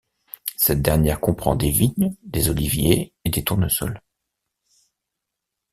Cette dernière comprend des vignes, des oliviers et des tournesols.